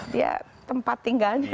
dia tempat tinggalnya